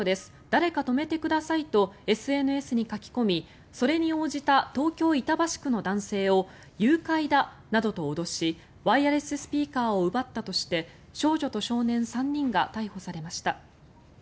誰か泊めてくださいとＳＮＳに書き込み、それに応じた東京・板橋区の男性を誘拐だなどと脅しワイヤレススピーカーを奪ったとして少女と少年３人が逮捕されました。